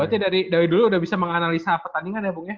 berarti dari dulu udah bisa menganalisa pertandingan ya bung